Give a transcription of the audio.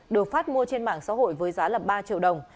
được phát mua trên mạng xã hội với giá ba triệu đồng